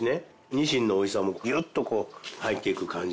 ニシンの美味しさもギュッとこう入っていく感じ。